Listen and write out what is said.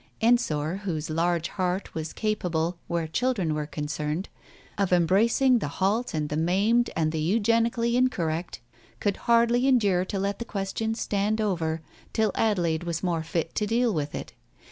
Ensor, whose large heart was capable, where children were concerned, of embracing the halt and the maimed and the eugenically incorrect, could hardly endure to let the question stand over till Adelaide was more fit to deal with it.